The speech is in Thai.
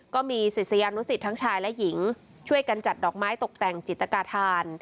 ก็มีศิษยานุสิตทั้งชายและหญิงช่วยกันจัดดอกไม้ตกแต่งจิตกาธาน